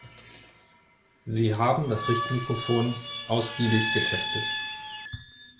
Sie haben das Richtmikrofon ausgiebig getestet.